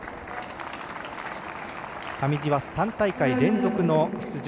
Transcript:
上地は３大会連続の出場。